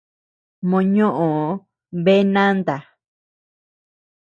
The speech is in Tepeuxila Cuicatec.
Mò ñoʼö bea nanta.